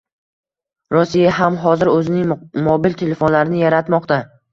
Rossiya ham hozir oʻzining mobil telefonlarini yaratmoqda.